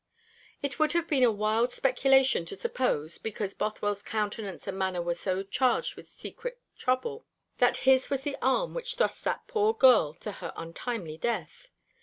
It would have been a wild speculation to suppose, because Bothwell's countenance and manner were so charged with secret trouble, that his was the arm which thrust that poor girl to her untimely death.